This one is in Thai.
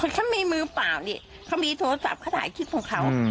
ฉันมีมือเปล่านี่เขามีโทรศัพท์เขาถ่ายคลิปของเขา